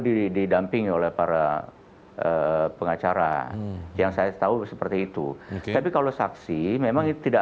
didampingi oleh para pengacara yang saya tahu seperti itu tapi kalau saksi memang tidak